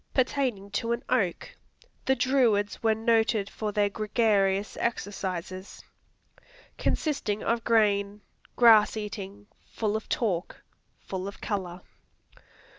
Pertaining to an oak; "The Druids were noted for their gregarious exercises." Consisting of grain. Grass eating. Full of talk. Full of color.